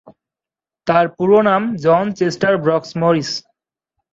তার পুরো নাম জন চেস্টার ব্রুকস মরিস।